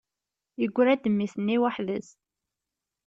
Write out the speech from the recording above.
Yegra-d mmi-s-nni waḥed-s.